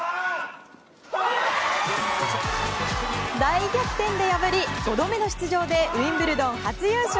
大逆転で破り、５度目の出場でウィンブルドン初優勝！